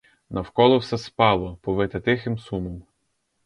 Навколо все спало, повите тихим сумом.